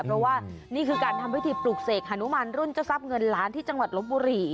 เพราะว่านี่คือการทำพิธีปลุกเสกฮานุมานรุ่นเจ้าทรัพย์เงินล้านที่จังหวัดลบบุรี